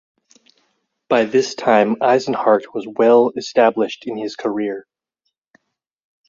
By this time Eisenhart was well established in his career.